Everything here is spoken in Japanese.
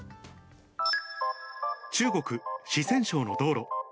中国・四川省の道路。